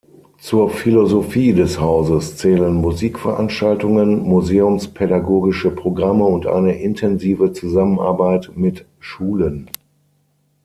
Zur Philosophie des Hauses zählen Musikveranstaltungen, museumspädagogische Programme und eine intensive Zusammenarbeit mit Schulen.